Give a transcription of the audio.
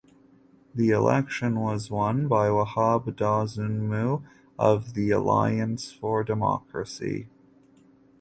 The election was won by Wahab Dosunmu of the Alliance for Democracy.